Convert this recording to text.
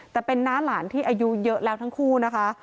แต่เป็นน้าหลานที่อายุเยอะแล้วทั้งคู่นะคะ